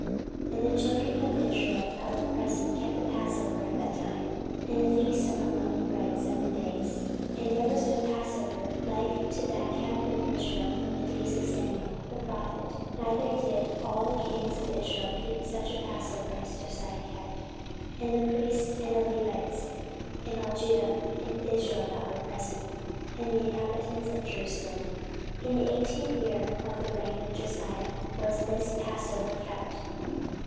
14:035:017 And the children of Israel that were present kept the passover at that time, and the feast of unleavened bread seven days. 14:035:018 And there was no passover like to that kept in Israel from the days of Samuel the prophet; neither did all the kings of Israel keep such a passover as Josiah kept, and the priests, and the Levites, and all Judah and Israel that were present, and the inhabitants of Jerusalem. 14:035:019 In the eighteenth year of the reign of Josiah was this passover kept.